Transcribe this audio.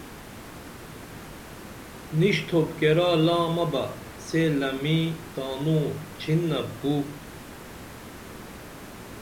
نشتُھوپ کیرا لامہ بہ سے لمیں تانوں چھنپ کو